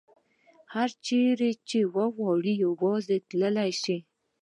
هر چیرې چې وغواړي یوازې تللې شي.